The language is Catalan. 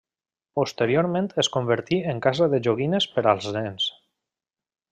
Posteriorment es convertí en casa de joguines per als nens.